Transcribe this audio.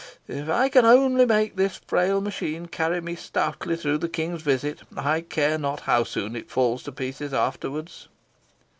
If I can only make this frail machine carry me stoutly through the King's visit, I care not how soon it falls to pieces afterwards."